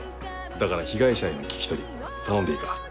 だから被害者への聞き取り頼んでいいか？